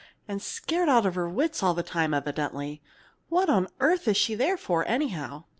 And scared out of her wits all the time, evidently. What on earth is she there for, anyhow?"